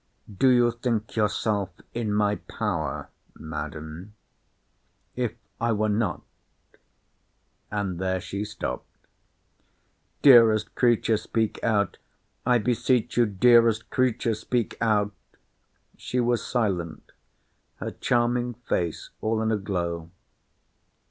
Do you think yourself in my power, Madam? If I were not—And there she stopt—— Dearest creature, speak out—I beseech you, dearest creature, speak out—— She was silent; her charming face all in a glow.